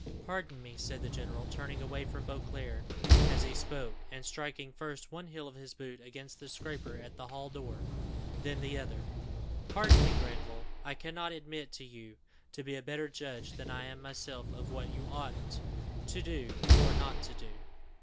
"Pardon me," said the general, turning away from Beauclerc as he spoke, and striking first one heel of his boot against the scraper at the hall door, then the other "pardon me, Granville, I cannot admit you to be a better judge than I am myself of what I ought to do or not to do."